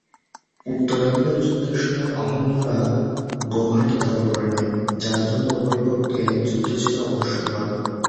উত্তরাধিকার যুদ্ধের সময় অহমীয়রা গৌহাটি দখল করে নেয়, যার জন্য উভয়পক্ষে যুদ্ধ ছিল অবশ্যম্ভাবী।